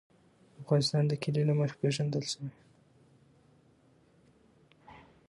افغانستان د کلي له مخې پېژندل کېږي.